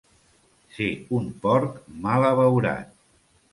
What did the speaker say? Ser un porc mal abeurat.